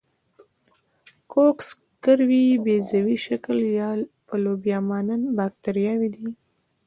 کوکس کروي، بیضوي شکل یا لوبیا مانند باکتریاوې دي.